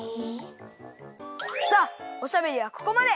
さあおしゃべりはここまで！